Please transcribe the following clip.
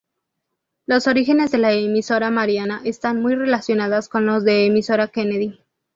Los orígenes de la Emisora Mariana están muy relacionados con los de Emisora Kennedy.